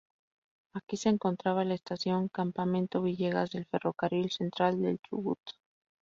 Aquí se encontraba la Estación Campamento Villegas del Ferrocarril Central del Chubut.